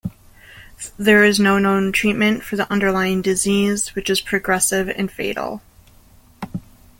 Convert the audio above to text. There is no known treatment for the underlying disease, which is progressive and fatal.